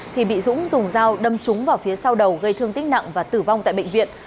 thì bị dũng dùng dao đâm trúng vào phía sau đầu gây thương tích nặng và tử vong tại bệnh viện